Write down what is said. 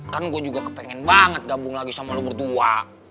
kan gue juga kepengen banget gabung lagi sama lu berdua